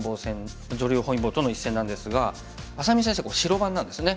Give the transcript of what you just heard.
本因坊との一戦なんですが愛咲美先生これ白番なんですね。